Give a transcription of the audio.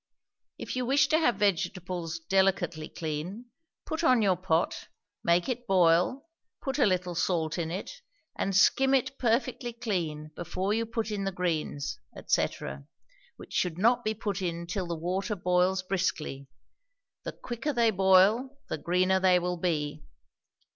If you wish to have vegetables delicately clean, put on your pot, make it boil, put a little salt in it, and skim it perfectly clean before you put in the greens, &c., which should not be put in till the water boils briskly; the quicker they boil, the greener they will be.